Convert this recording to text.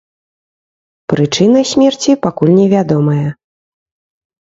Прычына смерці пакуль невядомая.